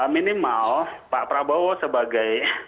minimal pak prabowo sebagai